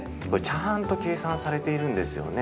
ちゃんと計算されているんですよね。